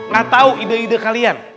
gak tahu ide ide kalian